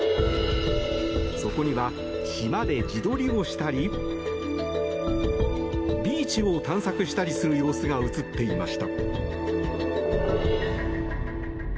そこには、島で自撮りをしたりビーチを探索したりする様子が映っていました。